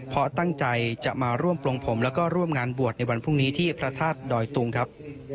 เพราะตั้งใจจะมาร่วมปลงผมแล้วก็ร่วมงานบวชในวันพรุ่งนี้ที่พระธาตุดอยตุงครับ